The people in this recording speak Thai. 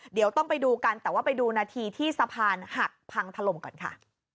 เดี๋ยวต้องไปดูกันแต่ว่าไปดูนาทีที่สะพานหักพังถล่มก่อนค่ะ